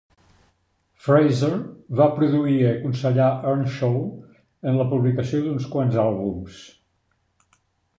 Fraser va produir i aconsellar Earnshaw en la publicació d'uns quants àlbums.